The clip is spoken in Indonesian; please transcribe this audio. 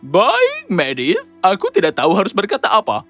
baik medif aku tidak tahu harus berkata apa